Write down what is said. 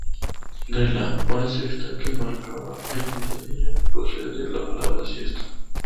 De la "hora sexta", que marcaba el mediodía, procede la palabra siesta.